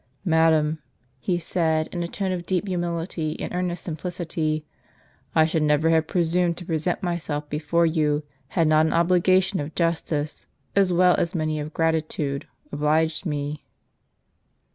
" Madam," he said, in a tone of deep humility and earnest simplicity. " I should never have presumed to present myself before you, had not an obligation of justice, as well as many of gratitude, obliged me."